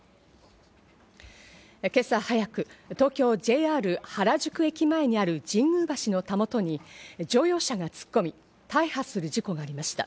今朝早く、東京・ＪＲ原宿駅前にある神宮橋のたもとに乗用車が突っ込み、大破する事故がありました。